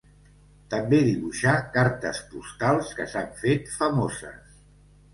També dibuixà cartes postals que s'han fet famoses.